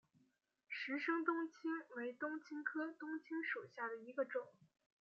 石生冬青为冬青科冬青属下的一个种。